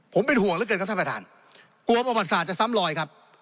ผมเป็นห่วงเหลือเกินครับท่านประธานกลัวประวัติศาสตร์จะซ้ำลอยครับ